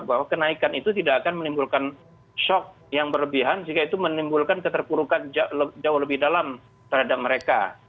bahwa kenaikan itu tidak akan menimbulkan shock yang berlebihan jika itu menimbulkan keterpurukan jauh lebih dalam terhadap mereka